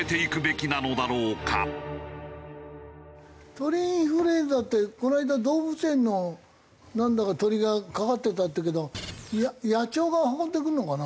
鳥インフルエンザってこの間動物園のなんだか鳥がかかってたっていうけど野鳥が運んでくるのかな？